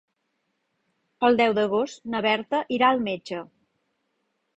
El deu d'agost na Berta irà al metge.